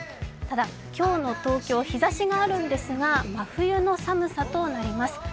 ただ、今日の東京は日ざしがあるんですが、真冬の寒さとなります。